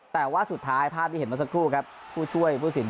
แต่ว่าสุดท้ายภาพที่เห็นเมื่อสักครู่ครับผู้ช่วยผู้สิน